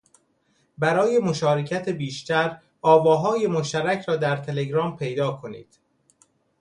برای مشارکت بیشتر آواهای مشترک را در تلگرام پیدا کنید